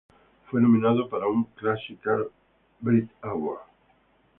Fue nominado para un Classical Brit Award.